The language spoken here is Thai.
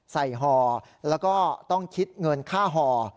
ห่อแล้วก็ต้องคิดเงินค่าห่อ